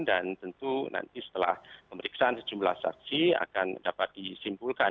dan tentu nanti setelah pemeriksaan sejumlah saksi akan dapat disimpulkan